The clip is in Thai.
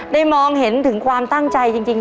มองเห็นถึงความตั้งใจจริง